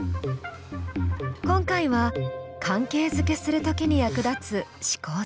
今回は「関係づけするとき」に役立つ思考ツール。